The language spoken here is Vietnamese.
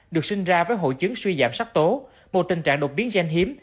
được sinh ra với hội chứng suy giảm sắc tố một tình trạng đột biến gen hiếm